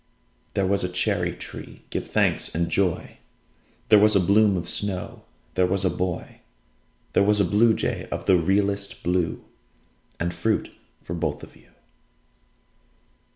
There was a cherry tree, give thanks and joy! There was a bloom of snow There was a boy There was a bluejay of the realest blue And fruit for both of you.